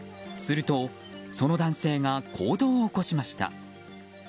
すると、その男性が行動を起こしました。